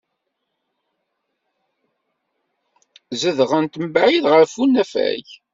Zedɣent mebɛid ɣef unafag.